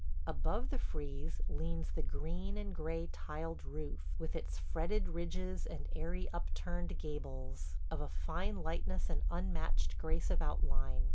Above the frieze leans the green and gray tiled roof, with its fretted ridges and airy, upturned gables, of a fine lightness and unmatched grace of outline.